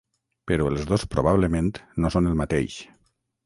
Però els dos probablement no són el mateix.